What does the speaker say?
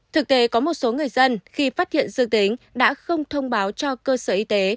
thực tế có một số người dân khi phát hiện dương tính đã không thông báo cho cơ sở y tế